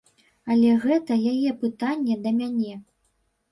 Але гэта яе пытанне да мяне.